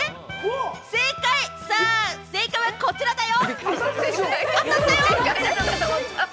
正解はこちらだよ。